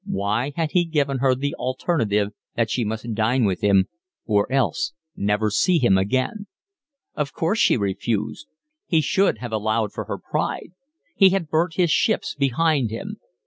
Why had he given her the alternative that she must dine with him or else never see him again? Of course she refused. He should have allowed for her pride. He had burnt his ships behind him.